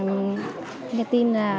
nghe tin là